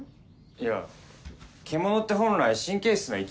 いや獣って本来神経質な生き物なんです。